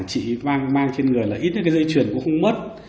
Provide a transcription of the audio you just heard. chỉ mang trên người là ít những dây chuyền cũng không mất